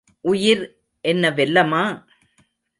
உயிர் என்ன வெல்லமா?